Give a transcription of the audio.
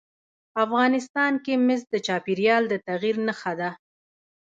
افغانستان کې مس د چاپېریال د تغیر نښه ده.